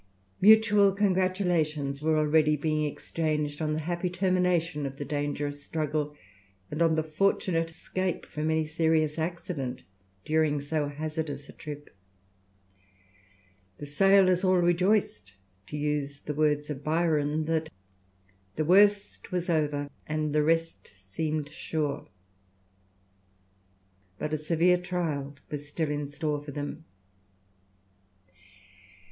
Mutual congratulations were already being exchanged on the happy termination of the dangerous struggle, and on the fortunate escape from any serious accident during so hazardous a trip. The sailors all rejoiced, to use the words of Byron, that "The worst was over, and the rest seemed sure." But a severe trial was still in store for them!